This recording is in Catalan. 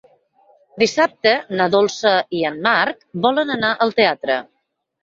Dissabte na Dolça i en Marc volen anar al teatre.